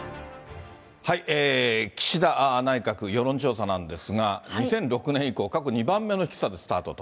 岸田内閣、世論調査なんですが、２００６年以降過去２番目の低さでスタートと。